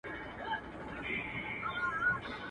چي یې هیري دښمنۍ سي د کلونو د عمرونو.